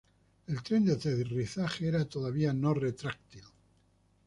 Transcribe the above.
El tren de aterrizaje era todavía no retráctil.